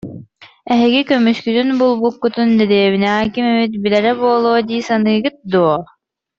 Эһиги көмүскүтүн булбуккутун дэриэбинэҕэ ким эмит билэрэ буолуо дии саныыгыт дуо